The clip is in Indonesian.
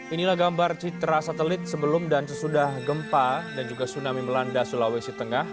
inilah gambar citra satelit sebelum dan sesudah gempa dan juga tsunami melanda sulawesi tengah